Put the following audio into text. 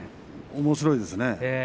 おもしろいですね。